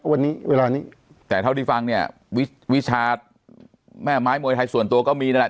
วันนี้เวลานี้แต่เท่าที่ฟังเนี่ยวิชาแม่ไม้มวยไทยส่วนตัวก็มีนั่นแหละ